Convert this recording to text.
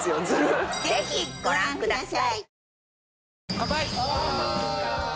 ぜひご覧ください。